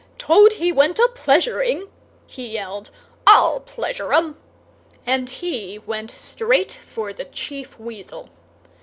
"Toad he went a pleasuring!" he yelled. "I'll pleasure 'em!" and he went straight for the Chief Weasel.